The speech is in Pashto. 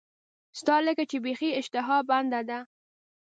ستا لکه چې بیخي اشتها بنده ده.